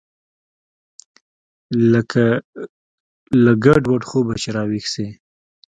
لکه له ګډوډ خوبه چې راويښ سې.